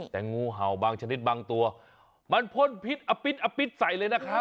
แต่งูเห่าบางชนิดบางตัวมันพ่นพิษอปิดอปิดใส่เลยนะครับ